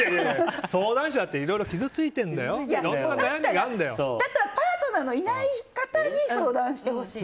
相談者っていろいろ傷ついてるんだよだったらパートナーのいない方に相談してほしい。